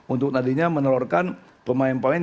untuk nantinya menelurkan pemain pemain